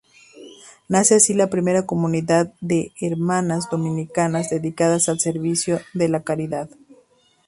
Nace así la primera comunidad de Hermanas Dominicas, dedicadas al servicio de la caridad.